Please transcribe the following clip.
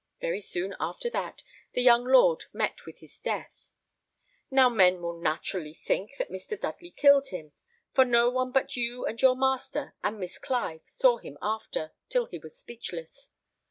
Very soon after that the young lord met with his death. Now men will naturally think that Mr. Dudley killed him, for no one but you and your master and Miss Clive saw him after, till he was speechless.